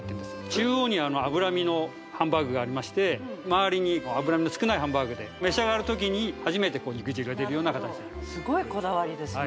中央にあの脂身のハンバーグがありまして周りに脂身の少ないハンバーグで召し上がるときに初めてこう肉汁が出るような形ですごいこだわりですね